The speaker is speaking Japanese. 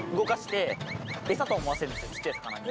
小っちゃい魚に。